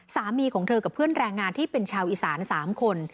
สามีของเธอกับเพื่อนแรงงานที่เป็นชาวอีสาน๓คน